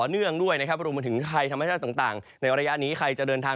เนื่องด้วยนะครับรวมมาถึงไทยธรรมชาติต่างในระยะนี้ใครจะเดินทาง